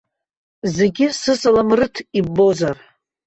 Зегьы сысалам рыҭ иббозар.